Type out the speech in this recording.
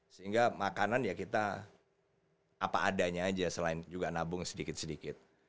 sehingga makanan ya kita apa adanya aja selain juga nabung sedikit sedikit